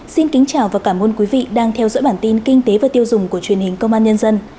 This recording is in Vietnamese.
xin kính chào và cảm ơn quý vị đang theo dõi bản tin kinh tế và tiêu dùng của truyền hình công an nhân dân